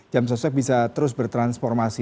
jam sosep bisa terus bertransformasi